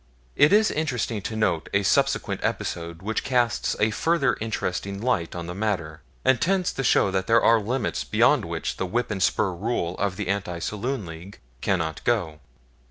It is interesting to note a subsequent episode which casts a further interesting light on the matter, and tends to show that there are limits beyond which the whip and spur rule of the Anti Saloon League cannot go.